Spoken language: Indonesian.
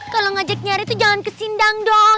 kalau ngajak nyari tuh jangan kesindang dong